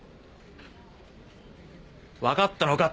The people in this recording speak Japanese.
分かったのか？